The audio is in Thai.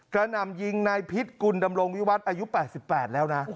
หนำยิงนายพิษกุลดำรงวิวัตรอายุ๘๘แล้วนะ